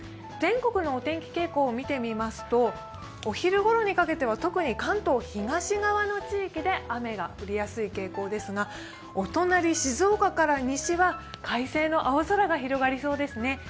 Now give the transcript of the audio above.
全国のお天気傾向を見てみますとお昼ごろにかけては特に関東東側の地域で雨が降りやすい傾向ですがお隣、静岡から西は快晴の青空が広がりそうですね。